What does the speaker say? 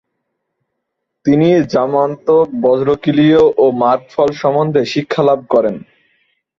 তিনি যমান্তক, বজ্রকীলয় ও মার্গফল সম্বন্ধে শিক্ষালাভ করেন।